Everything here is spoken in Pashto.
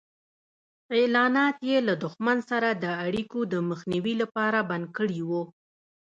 اعلانات یې له دښمن سره د اړیکو د مخنیوي لپاره بند کړي وو.